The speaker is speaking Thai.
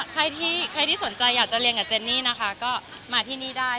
ใครที่ใครที่สนใจอยากจะเรียนกับเจนนี่นะคะก็มาที่นี่ได้